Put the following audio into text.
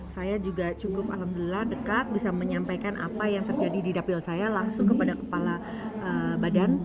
saya juga cukup alhamdulillah dekat bisa menyampaikan apa yang terjadi di dapil saya langsung kepada kepala badan